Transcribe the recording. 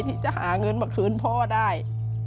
ที่จะหาเงินมาคืนพ่อได้